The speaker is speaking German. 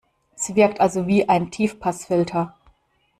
Sie wirkt also wie ein Tiefpassfilter.